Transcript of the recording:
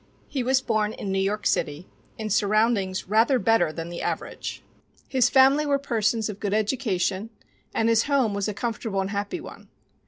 He was born in New York City, in surroundings rather better than the average. His family were persons of good education and his home was a comfortable and happy one.